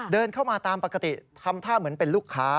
เดินเข้ามาตามปกติทำท่าเหมือนเป็นลูกค้า